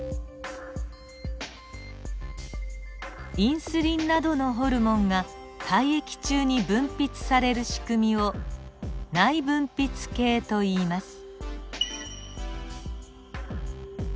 インスリンなどのホルモンが体液中に分泌される仕組みを内分泌系といいます。